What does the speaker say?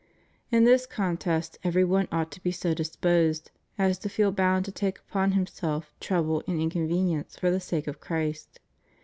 * In this contest every one ought to be so disposed as to feel bound to take upon himself trouble and inconvenience for the sake of Christ.